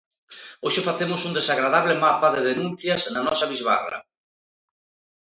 Hoxe facemos un desagradable mapa de denuncias na nosa bisbarra.